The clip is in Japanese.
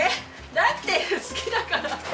だって好きだから。